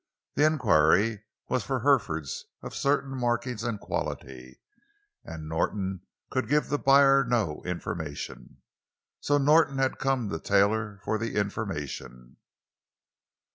The inquiry was for Herefords of certain markings and quality, and Norton could give the buyer no information. So Norton had come to Taylor for the information.